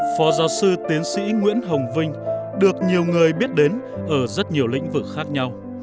phó giáo sư tiến sĩ nguyễn hồng vinh được nhiều người biết đến ở rất nhiều lĩnh vực khác nhau